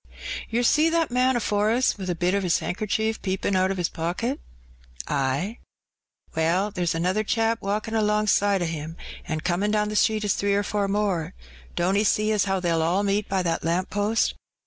"Ter see that man afore us. with a bit o* his hankercher )eepin* out o* his pocket ?" Ay." Well, there's another chap walkin* alongside o* him, VD^ comin* down the street is three or four more; don't 'e jee as how they'll all meet by that lamp post?